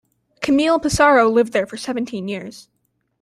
Camille Pissarro lived there for seventeen years.